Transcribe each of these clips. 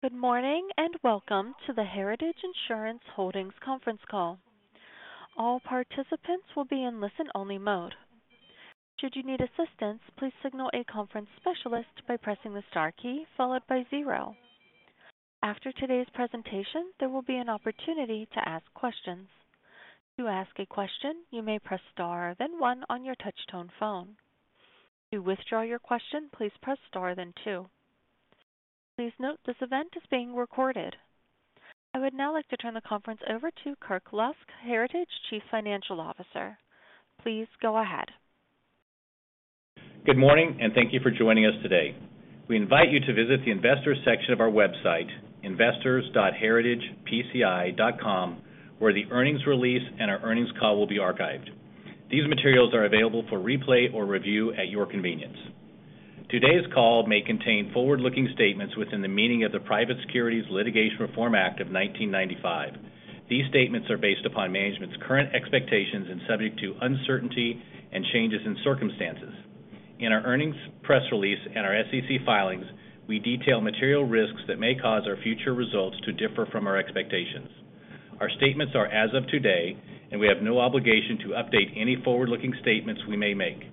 Good morning, and welcome to the Heritage Insurance Holdings conference call. All participants will be in listen-only mode. Should you need assistance, please signal a conference specialist by pressing the star key followed by zero. After today's presentation, there will be an opportunity to ask questions. To ask a question, you may press Star, then one on your touchtone phone. To withdraw your question, please press Star, then two. Please note, this event is being recorded. I would now like to turn the conference over to Kirk Lusk, Heritage Chief Financial Officer. Please go ahead. Good morning, and thank you for joining us today. We invite you to visit the investors section of our website, investors.heritagepci.com, where the earnings release and our earnings call will be archived. These materials are available for replay or review at your convenience. Today's call may contain forward-looking statements within the meaning of the Private Securities Litigation Reform Act of 1995. These statements are based upon management's current expectations and subject to uncertainty and changes in circumstances. In our earnings press release and our SEC filings, we detail material risks that may cause our future results to differ from our expectations. Our statements are as of today, and we have no obligation to update any forward-looking statements we may make.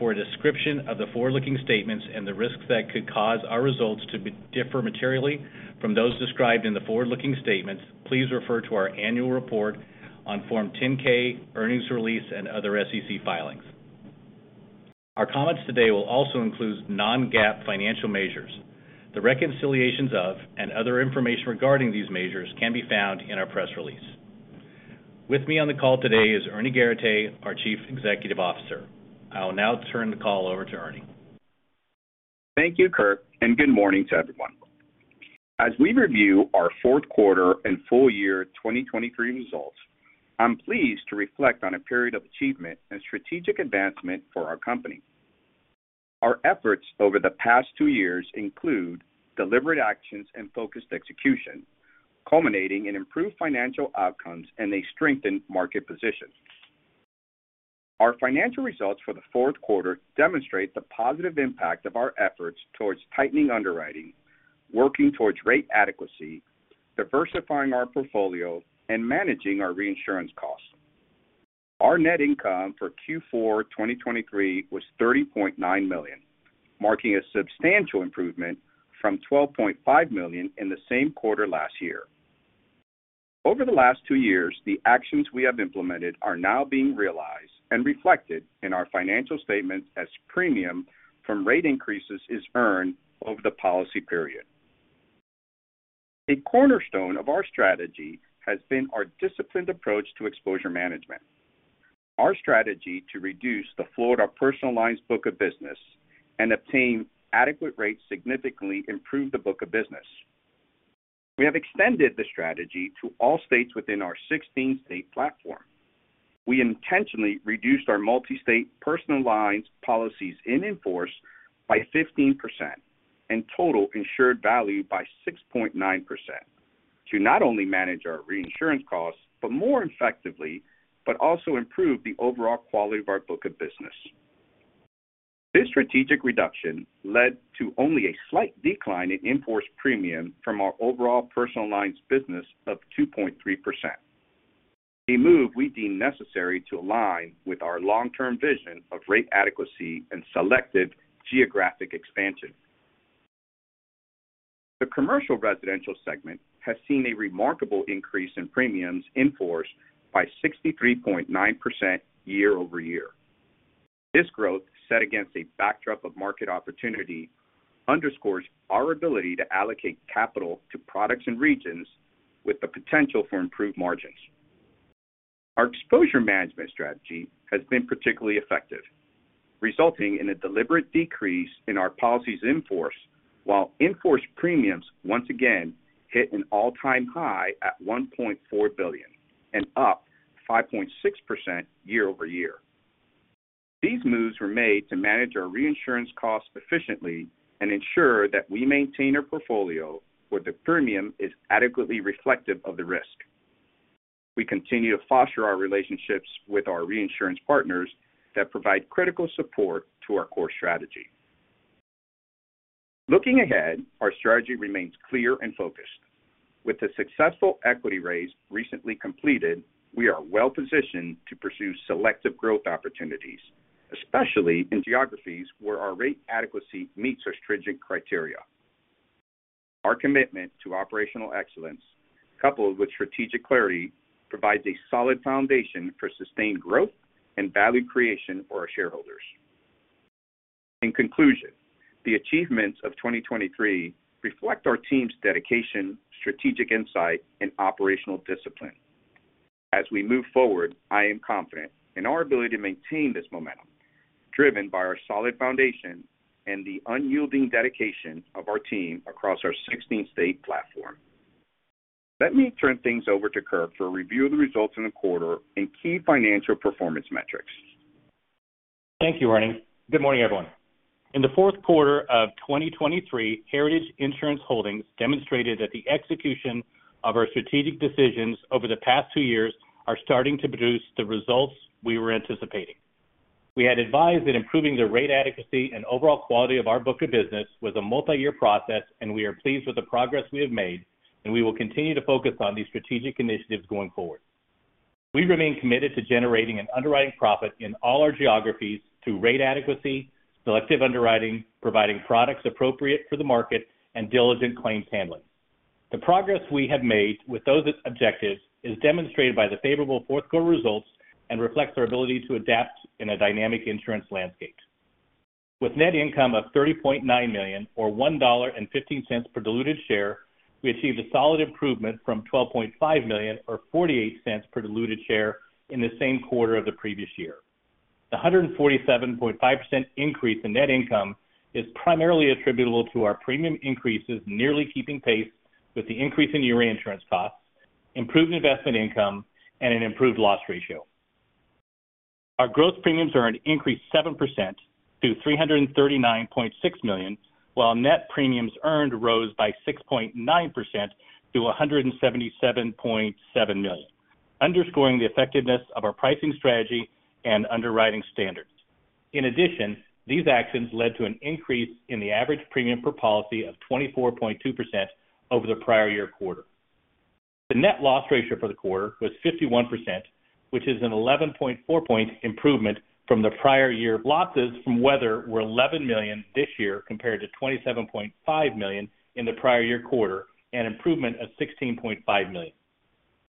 For a description of the forward-looking statements and the risks that could cause our results to differ materially from those described in the forward-looking statements, please refer to our annual report on Form 10-K, earnings release, and other SEC filings. Our comments today will also include non-GAAP financial measures. The reconciliations of and other information regarding these measures can be found in our press release. With me on the call today is Ernie Garateix, our Chief Executive Officer. I will now turn the call over to Ernie. Thank you, Kirk, and good morning to everyone. As we review our fourth quarter and full year 2023 results, I'm pleased to reflect on a period of achievement and strategic advancement for our company. Our efforts over the past two years include deliberate actions and focused execution, culminating in improved financial outcomes and a strengthened market position. Our financial results for the fourth quarter demonstrate the positive impact of our efforts towards tightening underwriting, working towards rate adequacy, diversifying our portfolio, and managing our reinsurance costs. Our net income for Q4 2023 was $30.9 million, marking a substantial improvement from $12.5 million in the same quarter last year. Over the last two years, the actions we have implemented are now being realized and reflected in our financial statements as premium from rate increases is earned over the policy period. A cornerstone of our strategy has been our disciplined approach to exposure management. Our strategy to reduce the Florida personal lines book of business and obtain adequate rates significantly improved the book of business. We have extended the strategy to all states within our 16-state platform. We intentionally reduced our multi-state personal lines policies in force by 15% and total insured value by 6.9%, to not only manage our reinsurance costs, but more effectively, but also improve the overall quality of our book of business. This strategic reduction led to only a slight decline in in-force premium from our overall personal lines business of 2.3%. A move we deem necessary to align with our long-term vision of rate adequacy and selective geographic expansion. The commercial residential segment has seen a remarkable increase in premiums in force by 63.9% year-over-year. This growth, set against a backdrop of market opportunity, underscores our ability to allocate capital to products and regions with the potential for improved margins. Our exposure management strategy has been particularly effective, resulting in a deliberate decrease in our policies in force, while in-force premiums once again hit an all-time high at $1.4 billion and up 5.6% year-over-year. These moves were made to manage our reinsurance costs efficiently and ensure that we maintain a portfolio where the premium is adequately reflective of the risk. We continue to foster our relationships with our reinsurance partners that provide critical support to our core strategy. Looking ahead, our strategy remains clear and focused. With the successful equity raise recently completed, we are well positioned to pursue selective growth opportunities, especially in geographies where our rate adequacy meets our stringent criteria. Our commitment to operational excellence, coupled with strategic clarity, provides a solid foundation for sustained growth and value creation for our shareholders. In conclusion, the achievements of 2023 reflect our team's dedication, strategic insight, and operational discipline. As we move forward, I am confident in our ability to maintain this momentum, driven by our solid foundation and the unyielding dedication of our team across our 16-state platform. Let me turn things over to Kirk for a review of the results in the quarter and key financial performance metrics. Thank you, Ernie. Good morning, everyone. In the fourth quarter of 2023, Heritage Insurance Holdings demonstrated that the execution of our strategic decisions over the past two years are starting to produce the results we were anticipating. We had advised that improving the rate adequacy and overall quality of our book of business was a multi-year process, and we are pleased with the progress we have made, and we will continue to focus on these strategic initiatives going forward. We remain committed to generating an underwriting profit in all our geographies through rate adequacy, selective underwriting, providing products appropriate for the market, and diligent claims handling. The progress we have made with those objectives is demonstrated by the favorable fourth quarter results and reflects our ability to adapt in a dynamic insurance landscape. With net income of $30.9 million, or $1.15 per diluted share, we achieved a solid improvement from $12.5 million, or $0.48 per diluted share in the same quarter of the previous year. The 147.5% increase in net income is primarily attributable to our premium increases, nearly keeping pace with the increase in reinsurance costs, improved investment income, and an improved loss ratio. Our gross premiums earned increased 7% to $339.6 million, while net premiums earned rose by 6.9% to $177.7 million, underscoring the effectiveness of our pricing strategy and underwriting standards. In addition, these actions led to an increase in the average premium per policy of 24.2% over the prior year quarter. The net loss ratio for the quarter was 51%, which is an 11.4-point improvement from the prior year. Losses from weather were $11 million this year, compared to $27.5 million in the prior year quarter, an improvement of $16.5 million.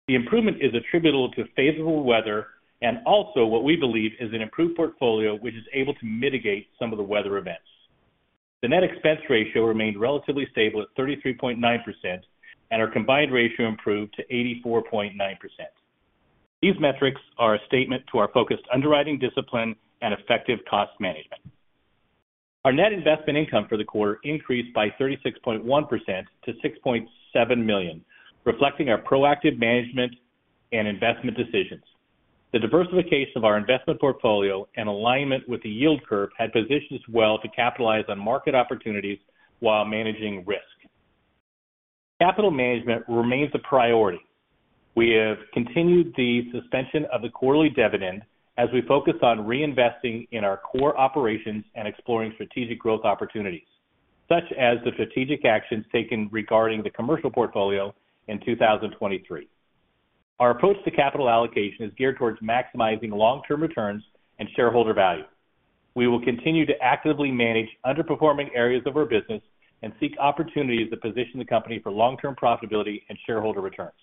The improvement is attributable to favorable weather and also what we believe is an improved portfolio, which is able to mitigate some of the weather events. The net expense ratio remained relatively stable at 33.9%, and our combined ratio improved to 84.9%. These metrics are a statement to our focused underwriting discipline and effective cost management. Our net investment income for the quarter increased by 36.1% to $6.7 million, reflecting our proactive management and investment decisions. The diversification of our investment portfolio and alignment with the yield curve had positioned us well to capitalize on market opportunities while managing risk. Capital management remains a priority. We have continued the suspension of the quarterly dividend as we focus on reinvesting in our core operations and exploring strategic growth opportunities, such as the strategic actions taken regarding the commercial portfolio in 2023. Our approach to capital allocation is geared towards maximizing long-term returns and shareholder value. We will continue to actively manage underperforming areas of our business and seek opportunities that position the company for long-term profitability and shareholder returns.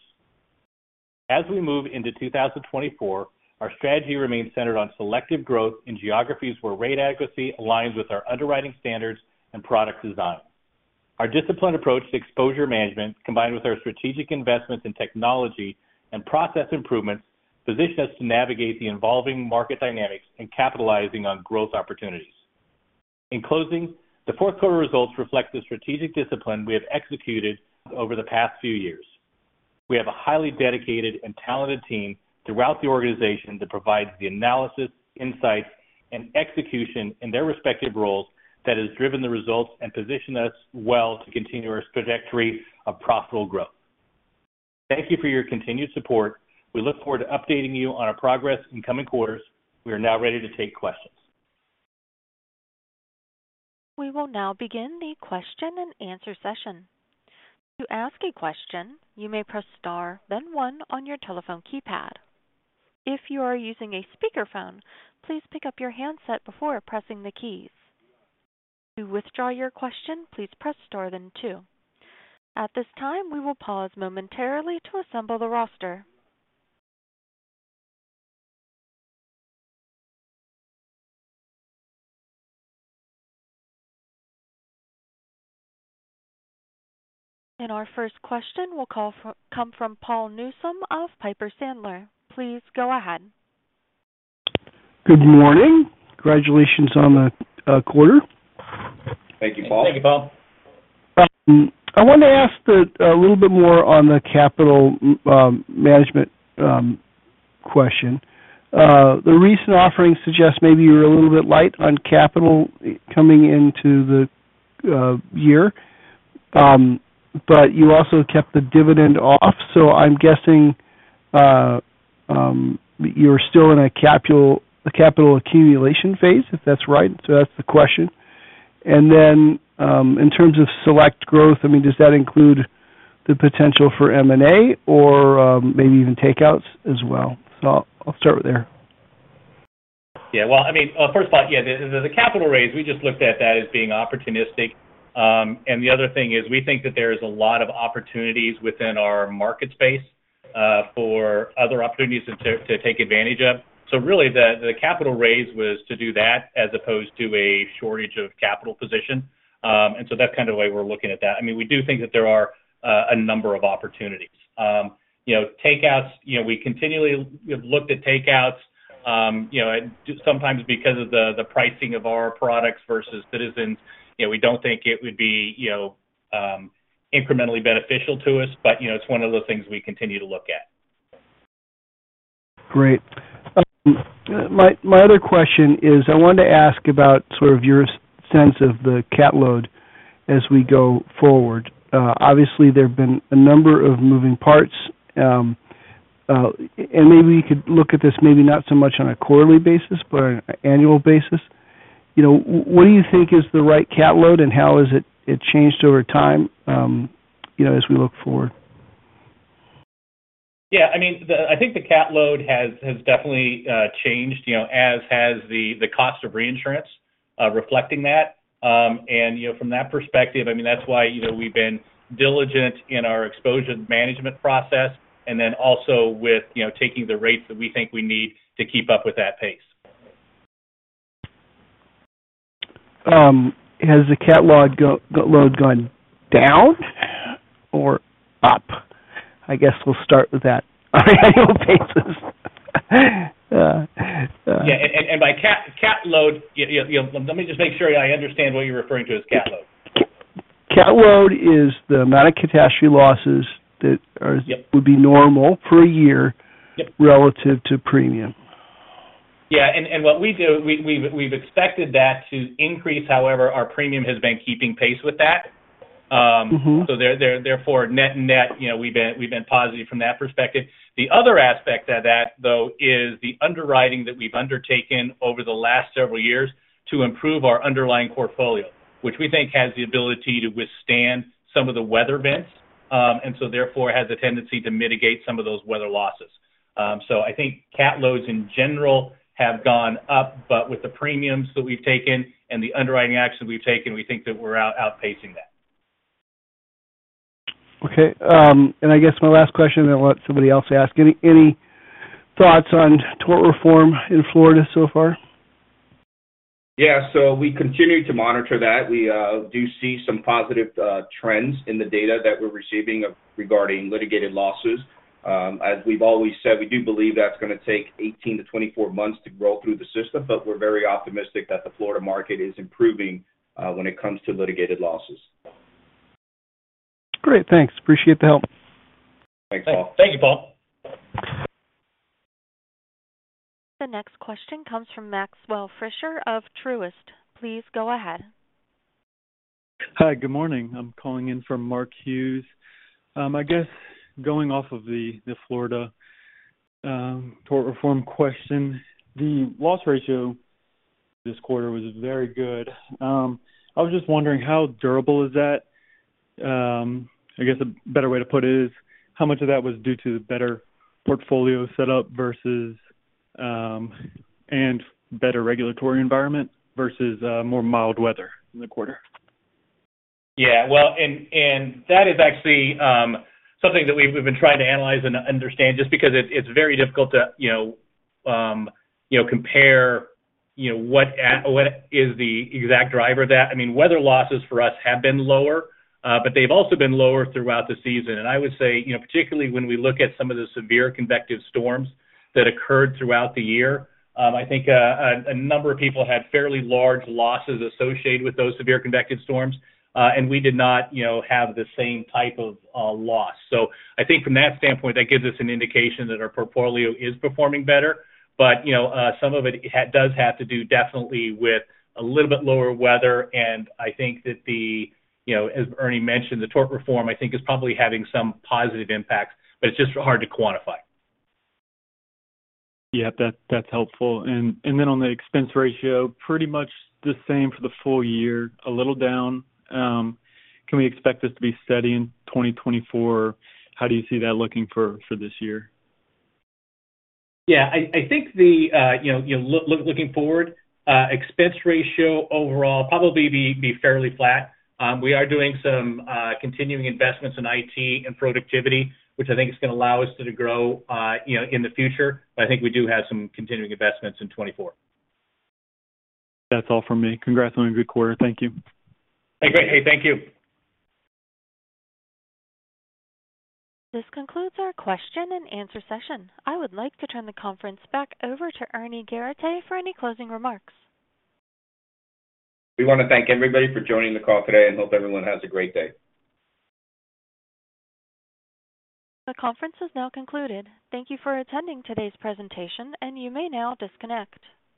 As we move into 2024, our strategy remains centered on selective growth in geographies where rate adequacy aligns with our underwriting standards and product design. Our disciplined approach to exposure management, combined with our strategic investments in technology and process improvements, position us to navigate the evolving market dynamics and capitalizing on growth opportunities. In closing, the fourth quarter results reflect the strategic discipline we have executed over the past few years. We have a highly dedicated and talented team throughout the organization that provides the analysis, insights, and execution in their respective roles that has driven the results and positioned us well to continue our trajectory of profitable growth. Thank you for your continued support. We look forward to updating you on our progress in coming quarters. We are now ready to take questions. We will now begin the question and answer session. To ask a question, you may press Star, then one on your telephone keypad. If you are using a speakerphone, please pick up your handset before pressing the keys. To withdraw your question, please press Star then two. At this time, we will pause momentarily to assemble the roster. Our first question will come from Paul Newsome of Piper Sandler. Please go ahead. Good morning. Congratulations on the quarter. Thank you, Paul. Thank you, Paul. I wanted to ask a little bit more on the capital management question. The recent offerings suggest maybe you were a little bit light on capital coming into the year, but you also kept the dividend off. So I'm guessing you're still in a capital accumulation phase, if that's right. So that's the question. And then, in terms of select growth, I mean, does that include the potential for M&A or maybe even takeouts as well? So I'll start with there. Yeah, well, I mean, first of all, yeah, the capital raise, we just looked at that as being opportunistic. And the other thing is, we think that there is a lot of opportunities within our market space for other opportunities to take advantage of. So really, the capital raise was to do that as opposed to a shortage of capital position. And so that's kind of the way we're looking at that. I mean, we do think that there are a number of opportunities. You know, takeouts, you know, we continually have looked at takeouts, you know, sometimes because of the pricing of our products versus Citizens, you know, we don't think it would be, you know, incrementally beneficial to us, but, you know, it's one of the things we continue to look at. Great. My other question is, I wanted to ask about sort of your sense of the cat load as we go forward. Obviously, there have been a number of moving parts. And maybe you could look at this, maybe not so much on a quarterly basis, but on an annual basis. You know, what do you think is the right cat load, and how has it changed over time, you know, as we look forward? Yeah, I mean, I think the cat load has definitely changed, you know, as has the cost of reinsurance, reflecting that. And, you know, from that perspective, I mean, that's why, you know, we've been diligent in our exposure management process, and then also with, you know, taking the rates that we think we need to keep up with that pace. Has the cat load gone down or up? I guess we'll start with that on an annual basis. Yeah, by cat load, you know... Let me just make sure I understand what you're referring to as cat load. Cat load is the amount of catastrophe losses that are- Yep. would be normal for a year. Yep. relative to premium. Yeah, and what we do, we've expected that to increase. However, our premium has been keeping pace with that. Mm-hmm. So therefore, net-net, you know, we've been positive from that perspective. The other aspect of that, though, is the underwriting that we've undertaken over the last several years to improve our underlying portfolio, which we think has the ability to withstand some of the weather events, and so therefore has a tendency to mitigate some of those weather losses. So I think cat loads in general have gone up, but with the premiums that we've taken and the underwriting actions we've taken, we think that we're outpacing that. Okay, and I guess my last question, and I'll let somebody else ask, any thoughts on tort reform in Florida so far? Yeah. So we continue to monitor that. We do see some positive trends in the data that we're receiving regarding litigated losses. As we've always said, we do believe that's going to take 18-24 months to roll through the system, but we're very optimistic that the Florida market is improving when it comes to litigated losses. Great, thanks. Appreciate the help. Thanks, Paul. Thank you, Paul. The next question comes from Maxwell Fisher of Truist. Please go ahead. Hi, good morning. I'm calling in for Mark Hughes. I guess going off of the Florida tort reform question, the loss ratio this quarter was very good. I was just wondering, how durable is that? I guess a better way to put it is, how much of that was due to the better portfolio setup versus and better regulatory environment versus more mild weather in the quarter? Yeah. Well, and that is actually something that we've been trying to analyze and understand, just because it's very difficult to, you know, compare, you know, what is the exact driver of that. I mean, weather losses for us have been lower, but they've also been lower throughout the season. And I would say, you know, particularly when we look at some of the severe convective storms that occurred throughout the year, I think a number of people had fairly large losses associated with those severe convective storms, and we did not, you know, have the same type of loss. So I think from that standpoint, that gives us an indication that our portfolio is performing better. But, you know, some of it does have to do definitely with a little bit lower weather, and I think that the, you know, as Ernie mentioned, the tort reform, I think, is probably having some positive impacts, but it's just hard to quantify. Yeah, that's helpful. And then on the expense ratio, pretty much the same for the full year, a little down. Can we expect this to be steady in 2024? How do you see that looking for this year? Yeah, I think the, looking forward, expense ratio overall probably be fairly flat. We are doing some continuing investments in IT and productivity, which I think is going to allow us to grow, you know, in the future. But I think we do have some continuing investments in 2024. That's all for me. Congrats on a good quarter. Thank you. Great. Thank you. This concludes our question and answer session. I would like to turn the conference back over to Ernie Garateix for any closing remarks. We want to thank everybody for joining the call today, and hope everyone has a great day. The conference is now concluded. Thank you for attending today's presentation, and you may now disconnect.